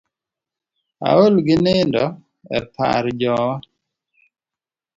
Aol gi nindo e par jowa.